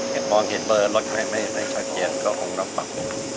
พอเห็นเบอร์รถให้ไม่ได้ชอบเย็นก็คงน้องปาก